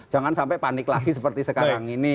jangan sampai panik lagi seperti sekarang ini